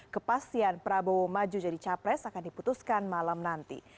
kepastian prabowo maju jadi capres akan diputuskan malam nanti